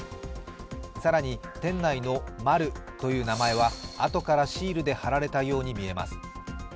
更に店内の「マル」という名前はあとからシールで貼られたように見えます。